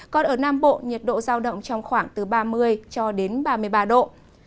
còn ở nam bộ nhiệt độ giao động trong khoảng từ ba mươi cho đến ba mươi ba độ